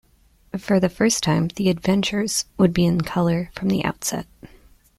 For the first time, the "Adventures" would be in colour from the outset.